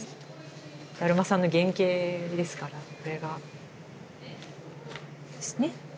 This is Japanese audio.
だるまさんの原型ですからこれが。ですね。